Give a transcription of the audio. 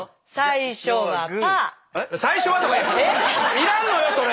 要らんのよそれ。